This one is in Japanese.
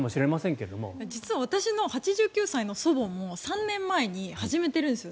実は私の８９歳の祖母も３年前に始めてるんですよ。